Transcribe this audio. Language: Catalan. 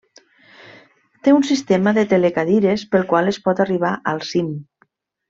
Té un sistema de telecadires pel qual es pot arribar al cim.